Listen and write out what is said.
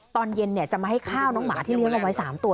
ตอนเย็นจะมาให้ข้าวน้องหมาที่เลี้ยงเอาไว้๓ตัว